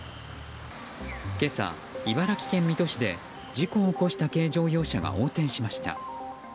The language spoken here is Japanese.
今朝、茨城県水戸市で事故を起こした軽乗用車が横転しました。